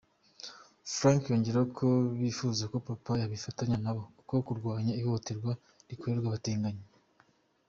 Frank yongeyeho ko bifuza ko papa yakifatanya nabo mu kurwanya ihohoterwa rikorerwa abatinganyi.